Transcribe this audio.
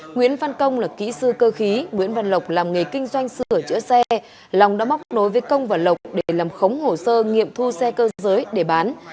nguyễn văn công là kỹ sư cơ khí nguyễn văn lộc làm nghề kinh doanh sửa chữa xe long đã móc nối với công và lộc để làm khống hồ sơ nghiệm thu xe cơ giới để bán